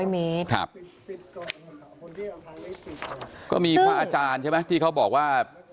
๕๐๐เมตรครับก็มีพระอาจารย์ใช่ไหมที่เขาบอกว่า